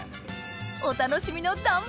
お楽しみの断面！